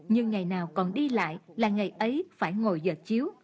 nhưng ngày nào còn đi lại là ngày ấy phải ngồi giật chiếu